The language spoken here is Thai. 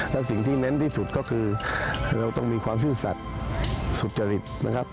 และสิ่งที่เน้นที่สุดก็คือเราต้องมีความซื่อสัตว์สุจริตนะครับ